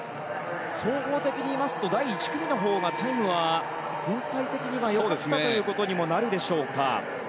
総合的に見ますと第１組のほうがタイムは全体的には良かったということになるでしょうか。